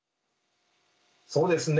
そうですね。